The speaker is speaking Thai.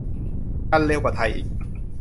กันเร็วกว่าไทยอีก